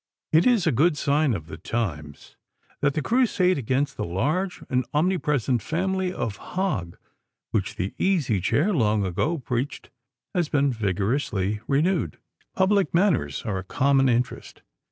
It is a good sign of the times that the crusade against the large and omnipresent family of Hog which the Easy Chair long ago preached has been vigorously renewed. Public manners are a common interest.